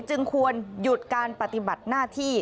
จึงควรหยุดการปฏิบัติหน้าที่